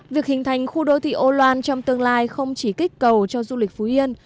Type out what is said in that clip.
việc hình thành khu đô thị âu loan trong tương lai không chỉ kích cầu cho du lịch phú yên